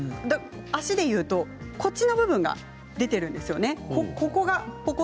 足でいうと小指の部分が出ているんですよね。